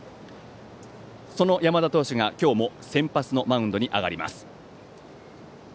その山田投手が、今日も先発のマウンドに上がります。